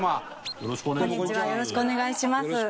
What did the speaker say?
よろしくお願いします。